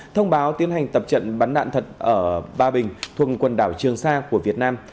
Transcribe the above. thông báo tiến hành tập trận bắn đạn thật ở ba bình thuận quần đảo trường sa của việt nam